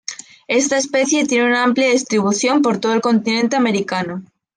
Esta especie tiene una amplia distribución por todo el continente americano.